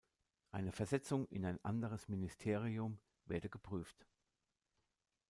Eine Versetzung in ein anderes Ministerium werde geprüft.